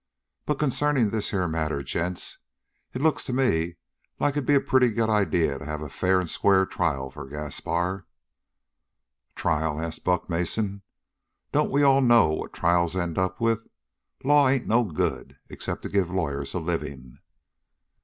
But concerning this here matter, gents, it looks to me like it'd be a pretty good idea to have a fair and square trial for Gaspar." "Trial?" asked Buck Mason. "Don't we all know what trials end up with? Law ain't no good, except to give lawyers a living."